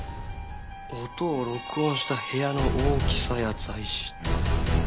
音を録音した部屋の大きさや材質。